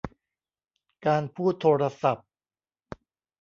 การพูดโทรศัพท์